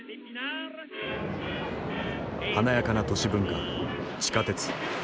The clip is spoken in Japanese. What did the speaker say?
華やかな都市文化地下鉄。